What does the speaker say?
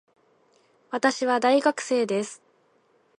私は大学生です